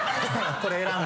これ選んで？